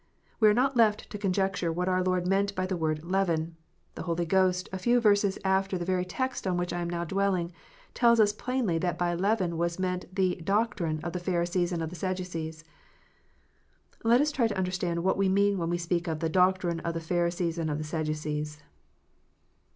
We are not left to con jecture what our Lord meant by the word "leaven." The Holy Ghost, a few verses after the very text on which I am now dwelling, tells us plainly that by leaven was meant the " doctrine " of the Pharisees and of the Sadducees. Let us try to understand what we mean when we speak of the " doctrine of the Pharisees and of the Sadducees."